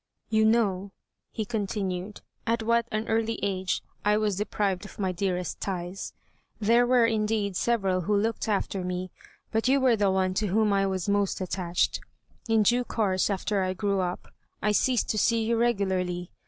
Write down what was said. "You know," he continued, "at what an early age I was deprived of my dearest ties; there were, indeed, several who looked after me, but you were the one to whom I was most attached. In due course, after I grew up, I ceased to see you regularly.